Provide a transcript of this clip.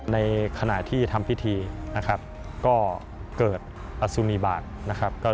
ในขณะที่ทำพิธีก็เกิดอสุนีบาก